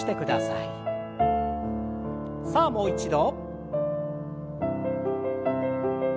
さあもう一度。